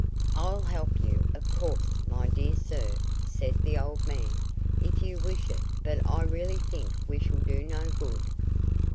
"I'll help you, of course, my dear sir," said the old man, "if you wish it; but I really think we shall do no good."